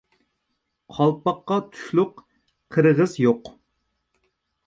قالپاققا تۇشلۇق قىرغىز يوق.